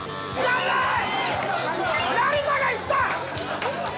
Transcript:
成田がいった！